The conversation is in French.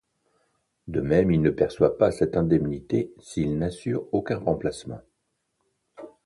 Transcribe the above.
De même, il ne perçoit pas cette indemnité s'il n'assure aucun remplacement.